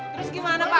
terus gimana pak